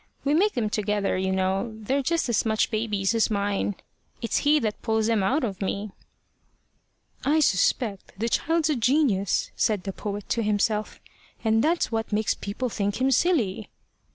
We make them together, you know. They're just as much baby's as mine. It's he that pulls them out of me." "I suspect the child's a genius," said the poet to himself, "and that's what makes people think him silly."